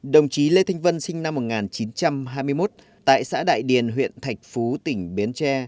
đồng chí lê thanh vân sinh năm một nghìn chín trăm hai mươi một tại xã đại điền huyện thạch phú tỉnh bến tre